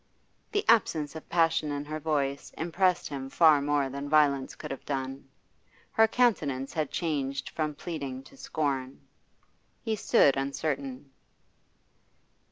The absence of passion in her voice impressed him far more than violence could have done. Her countenance had changed from pleading to scorn. He stood uncertain.